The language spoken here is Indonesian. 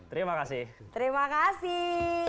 terima kasih terima kasih